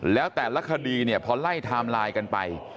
แล้วแต่ละคดีเนี่ยพอไล่ไทม์ไลน์กันไป